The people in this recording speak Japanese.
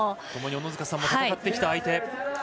ともに小野塚さんも戦ってきた相手。